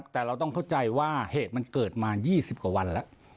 แต่เราต้องเข้าใจว่าเหตุมันเกิดมา๒๐กว่าวันแล้ว